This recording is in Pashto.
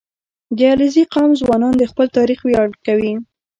• د علیزي قوم ځوانان د خپل تاریخ ویاړ کوي.